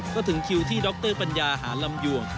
ก็ถึงคิวที่ดรปัญญาหาลำยวง